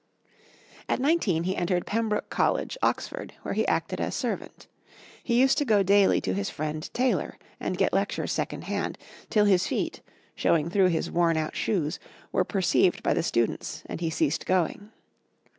At nineteen, he entered Pembroke College, Oxford, where he acted as servant. He used to go daily to his friend Taylor, and get lectures second hand, till his feet, showing through his worn out shoes, were perceived by the students, and he ceased going.